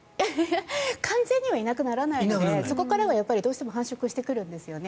完全にはいなくならないのでそこからはどうしても繁殖してくるんですよね。